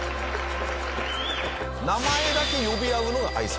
名前だけ呼び合うのが挨拶。